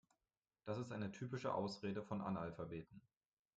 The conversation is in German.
Das ist eine typische Ausrede von Analphabeten.